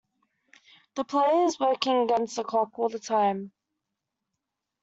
The player is working against the clock all the time.